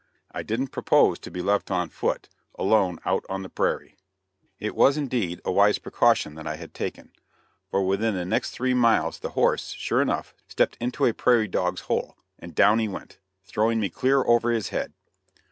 I didn't propose to be left on foot, alone out on the prairie. [Illustration: WHOA THERE!] It was, indeed, a wise precaution that I had taken, for within the next three miles the horse, sure enough, stepped into a prairie dog's hole, and down he went, throwing me clear over his head.